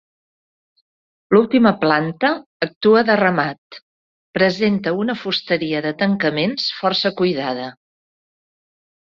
L'última planta actua de remat, presenta una fusteria de tancaments força cuidada.